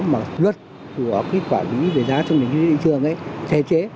mà luật của quản lý về giá trong những thị trường chế chế